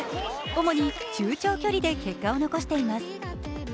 主に中長距離で結果を残しています。